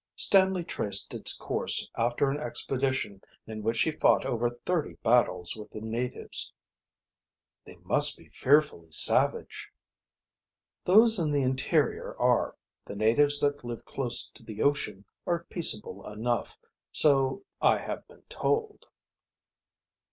Stanley traced its course after an expedition in which he fought over thirty battles with the natives." "They must be fearfully savage." "Those in the interior are. The natives that live close to the ocean are peaceable enough, so I have been told."